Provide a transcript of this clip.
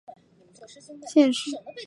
现时该军营由驻港解放军驻守。